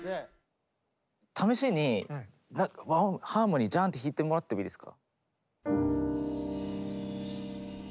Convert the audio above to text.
試しに和音ハーモニージャンって弾いてもらってもいいですか。